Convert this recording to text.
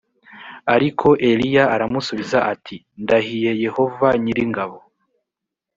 ariko eliya aramusubiza ati ndahiye yehova nyir ingabo